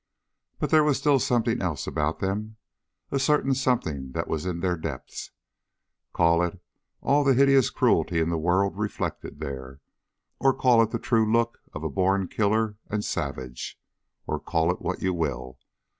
But there was still something else about them. A certain something that was in their depths. Call it all the hideous cruelty in the world reflected there. Or call it the true look of a born killer and savage. Or call it what you will.